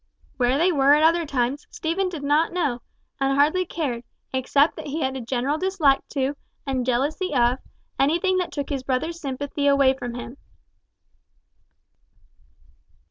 Where they were at other times, Stephen did not know, and hardly cared, except that he had a general dislike to, and jealousy of, anything that took his brother's sympathy away from him.